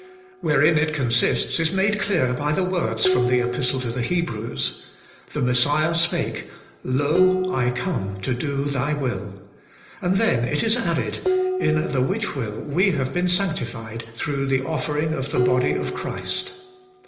Wherein it consists is made clear by the words from the Epistle to the Hebrews. The Messiah spake :' Lo, I come to do Thy will.' And then it is added, ' In the which will we have been sanctified through the offering of the body of Christ.'